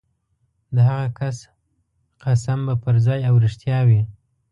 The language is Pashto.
د هغه کس قسم به پرځای او رښتیا وي.